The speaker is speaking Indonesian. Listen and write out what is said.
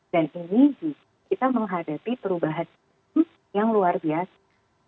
dan ini kita menghadapi perubahan yang luar biasa